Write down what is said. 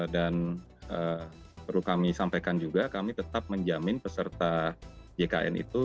dan perlu kami sampaikan juga kami tetap menjamin peserta jkn itu